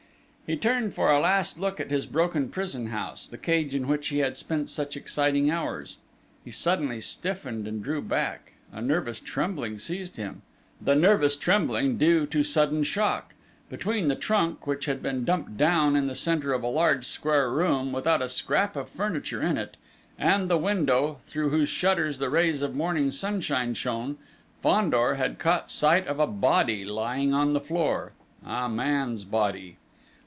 He turned for a last look at his broken prison house, the cage in which he had spent such exciting hours. He suddenly stiffened and drew back: a nervous trembling seized him the nervous trembling due to sudden shock. Between the trunk which had been dumped down in the centre of a large square room, without a scrap of furniture in it, and the window, through whose shutters the rays of morning sunshine shone, Fandor had caught sight of a body lying on the floor a man's body!